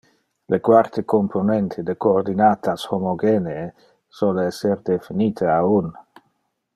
Le quarte componente de coordinates homogenee sole ser definite a un.